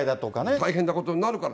大変なことになるから。